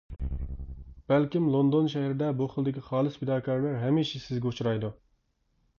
بەلكىم لوندون شەھىرىدە بۇ خىلدىكى خالىس پىداكارلار ھەمىشە سىزگە ئۇچرايدۇ.